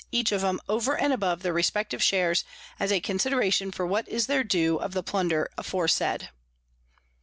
each of 'em, over and above their respective Shares, as a Consideration for what is their Due of the Plunder aforesaid.